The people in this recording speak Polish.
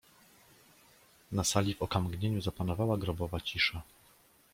"Na sali w okamgnieniu zapanowała grobowa cisza."